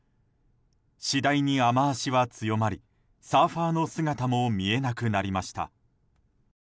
次第に雨脚は強まりサーファーの姿も見えなくなりました。